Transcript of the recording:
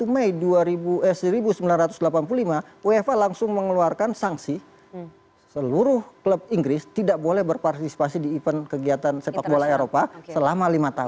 dua puluh mei seribu sembilan ratus delapan puluh lima uefa langsung mengeluarkan sanksi seluruh klub inggris tidak boleh berpartisipasi di event kegiatan sepak bola eropa selama lima tahun